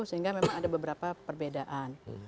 sehingga memang ada beberapa perbedaan